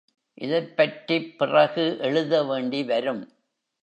இதைப்பற்றிப் பிறகு எழுத வேண்டி வரும்.